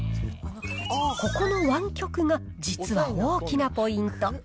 ここの湾曲が実は大きなポイント。